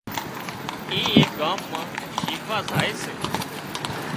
اي ايڪ ڳام مان شيکوا زائي سي